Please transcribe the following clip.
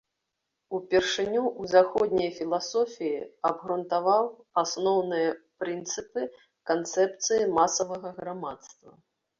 Упершыню ў заходняй філасофіі абгрунтаваў асноўныя прынцыпы канцэпцыі масавага грамадства.